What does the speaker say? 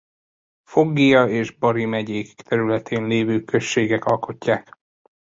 Foggia és Bari megyék területén lévő községek alkotják.